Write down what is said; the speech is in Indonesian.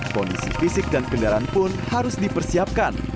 kondisi fisik dan kendaraan pun harus dipersiapkan